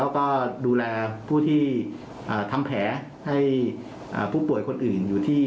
แล้วก็ดูแลผู้ที่ทำแผลให้ผู้ป่วยคนอื่นอยู่ที่